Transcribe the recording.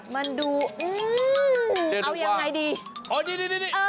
มันดูเอาอย่างไรเดียว